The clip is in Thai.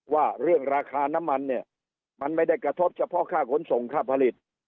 ว่าเรื่องราคาน้ำมันเนี่ยมันไม่ได้กระทบเฉพาะค่าขนส่งค่าผลิต